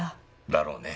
だろうね。